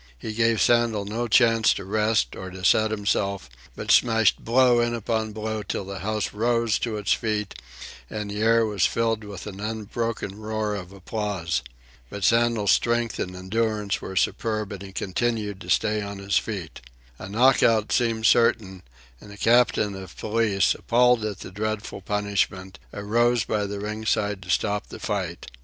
He gave Sandel no chance to rest or to set himself, but smashed blow in upon blow till the house rose to its feet and the air was filled with an unbroken roar of applause. But Sandel's strength and endurance were superb, and he continued to stay on his feet. A knock out seemed certain, and a captain of police, appalled at the dreadful punishment, arose by the ringside to stop the fight.